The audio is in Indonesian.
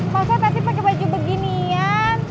masa pasti pake baju beginian